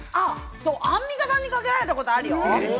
アンミカさんにかけられたことあるよ。